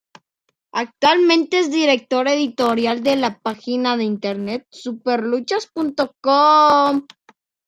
Actualmente es Director Editorial de la página de internet superluchas.com.